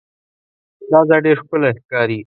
دا ځای ډېر ښکلی ښکاري.